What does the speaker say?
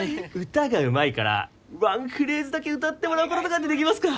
歌がうまいからワンフレーズだけ歌ってもらうこととかってできますか？